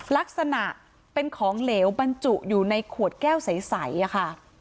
ลักษณะเป็นของเหลวบรรจุอยู่ในขวดแก้วใสค่ะ